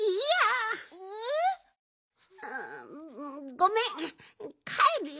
ごめんかえるよ。